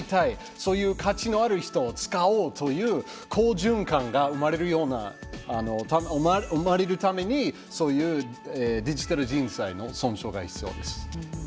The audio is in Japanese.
そういう価値のある人を使おうという好循環が生まれるためにそういうデジタル人材の尊重が必要です。